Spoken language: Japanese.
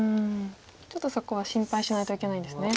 ちょっとそこは心配しないといけないんですね。